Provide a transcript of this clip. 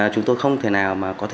chúng tôi không thể nào